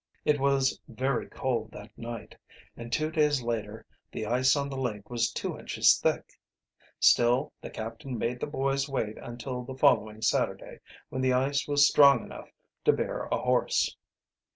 It was very cold that night, and two days later the ice on the lake was two inches thick. Still the captain made the boys wait until the following Saturday, when the ice was strong enough to bear a horse.